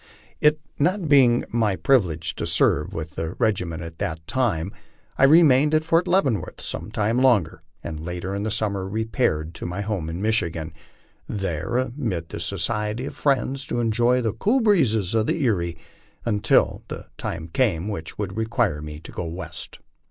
It not being my privilege to serve with the regiment at that time, I remained at Fort Leavenworth some time longer, and later in the summer repaired to my home in Michigan, there amid the society of friends to enjoy the cool breezes of Erie until the time came which would require me to go west.